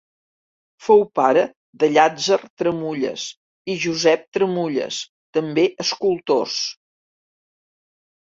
Fou pare de Llàtzer Tramulles i Josep Tramulles, també escultors.